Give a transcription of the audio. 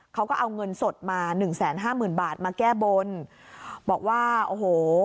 เขาก็เอาเงินสดมาหนึ่งแสนห้าหมื่นบาทมาแก้บนบอกว่าโอ้โห